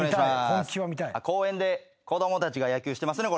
公園で子供たちが野球してますね。